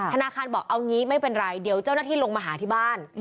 ธนาคารบอกเอางี้ไม่เป็นไรเดี๋ยวเจ้าหน้าที่ลงมาหาที่บ้าน